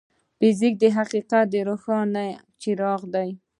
فزیک د حقیقت روښانه څراغ دی.